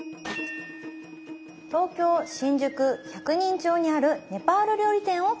東京新宿百人町にあるネパール料理店を訪ねました